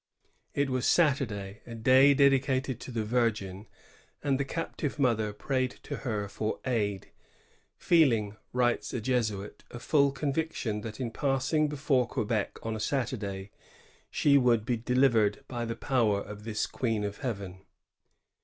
It was Saturday, a day dedicated to the Virgin; and the captive mother prayed to her for aid, ^^ feeling,'' writes a Jesuit, *^a fiill conviction that, in passing before Quebec on a Saturday, she would be delivered by the power of this Queen of Heaven."